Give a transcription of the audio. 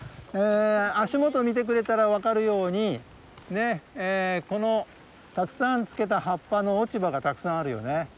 足元見てくれたら分かるようにこのたくさんつけた葉っぱの落ち葉がたくさんあるよね。